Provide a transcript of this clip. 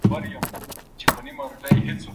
د پاچا په قلمرو کې عدالت په بې رحمۍ سره پلی کېده.